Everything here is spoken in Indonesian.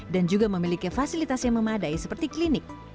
dan juga memiliki fasilitas yang memadai seperti klinik